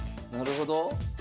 なるほど。